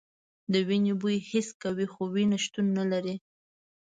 د وینې بوی حس کوي خو وینه شتون نه لري.